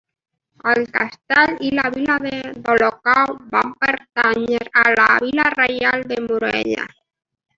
El castell i la vila d'Olocau van pertànyer a la vila reial de Morella.